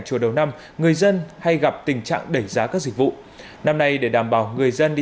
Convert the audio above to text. chùa đầu năm người dân hay gặp tình trạng đẩy giá các dịch vụ năm nay để đảm bảo người dân đi